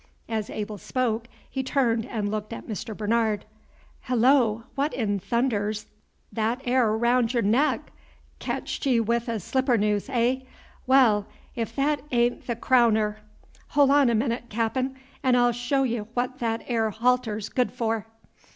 As Abel spoke, he turned and looked at Mr. Bernard. "Hullo! What 'n thunder's that 'ere raoun' y'r neck? Ketched ye 'ith a slippernoose, hey? Wal, if that a'n't the craowner! Hol' on a minute, Cap'n, 'n' I'll show ye what that 'ere halter's good for."